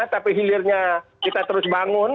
tapi hilirnya kita terus bangun